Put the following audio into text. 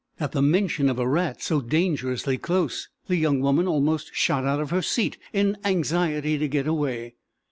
At the mention of a rat so dangerously close young woman almost shot out of her seat in anxiety to get away.